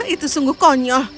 itu sungguh konyol